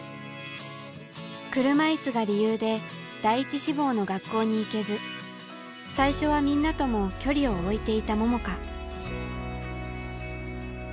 車いすが理由で第１志望の学校に行けず最初はみんなとも距離を置いていた桃佳。